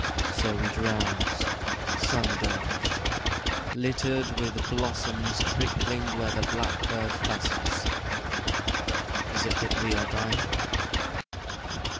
So we drowse, sun dozed, Littered with blossoms trickling where the blackbird fusses. Is it that we are dying?